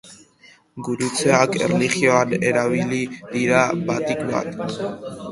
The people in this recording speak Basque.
Gurutzeak, erlijioan erabili dira batik bat.